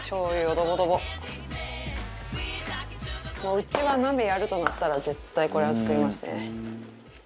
うちは鍋やるとなったら絶対これは作りますね。